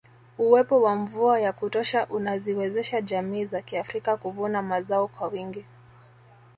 Uwepo wa mvua ya kutosha unaziwezesha jamii za kiafrika kuvuna mazao kwa wingi